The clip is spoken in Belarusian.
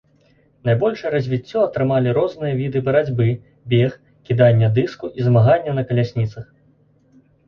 Найбольшае развіццё атрымалі розныя віда барацьбы, бег, кіданне дыску і змаганне на калясніцах.